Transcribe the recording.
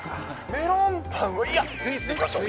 メロンパン、いや、スイーツでいきましょう。